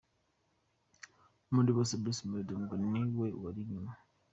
Muri bose Bruce Melody ngo ni we wari inyuma.